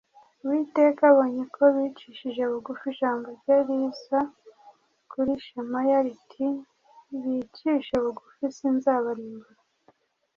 uwiteka abonye ko bicishije bugufi ijambo rye riza kuri shemaya riti 'bicishije bugufi sinzabarimbura